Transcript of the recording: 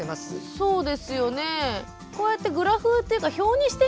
そうですね。